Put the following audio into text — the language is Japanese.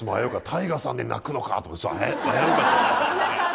ＴＡＩＧＡさんで泣くのかとちょっと危うかったですからね。